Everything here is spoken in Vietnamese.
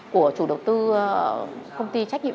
của chủ đầu tư công ty trách nhiệm